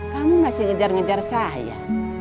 kamu masih ngejar ngejar saya